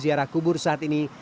di daerah kubur saat ini